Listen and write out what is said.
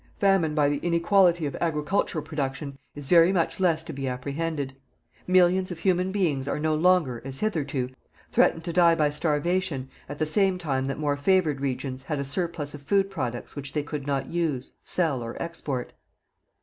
Famine by the inequality of agricultural production is very much less to be apprehended. Millions of human beings are no longer, as hitherto, threatened to die by starvation at the same time that more favoured regions had a surplus of food products which they could not use, sell, or export.